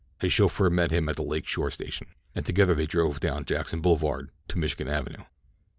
His chauffeur met him at the Lake Shore station, and together they drove down Jackson Boulevard to Michigan Avenue.